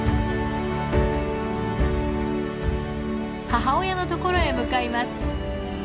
母親のところへ向かいます。